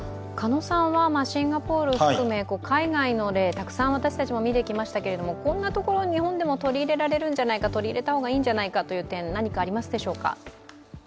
シンガポール含め海外の例、私たちもたくさん見てきましたけれども、こんなところ、日本でも取り入れられるんじゃないか、取り入れた方がいいんじゃないかというものはありますか？